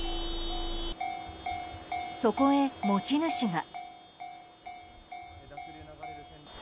そこへ、持ち主が。